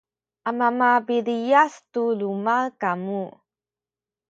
amana piliyas tu luma’ kamu